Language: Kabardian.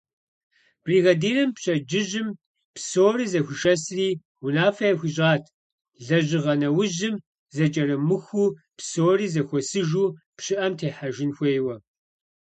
Бригадирым пщэдджыжьым псори зэхуишэсри, унафэ яхуищӀат, лэжьыгъэ нэужьым зэкӀэрымыхуу псори зэхуэсыжу пщыӀэм техьэжын хуейуэ.